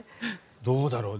どうだろう。